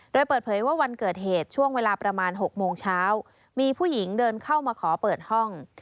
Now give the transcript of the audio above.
โดยเปิดเผยว่าวันเกิดเหตุช่วงเวลาประมาณ๖โมงเช้ามีผู้หญิงเดินเข้ามาขอเปิดห้อง